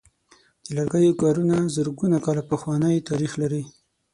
د لرګیو کارونه زرګونه کاله پخوانۍ تاریخ لري.